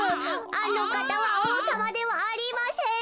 あのかたはおうさまではありましぇん。